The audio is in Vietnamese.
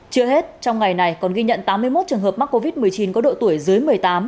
chưa hết trong ngày này còn ghi nhận tám mươi một trường hợp mắc covid một mươi chín có độ tuổi dưới một mươi tám